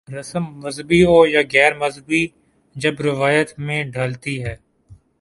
رسم مذہبی ہو یا غیر مذہبی جب روایت میں ڈھلتی ہے۔